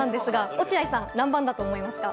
落合さん、何番だと思いますか？